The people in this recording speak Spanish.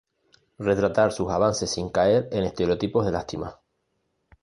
Retratar sus avances sin caer en estereotipos de lástima.